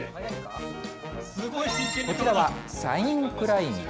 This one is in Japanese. こちらはサインクライミング。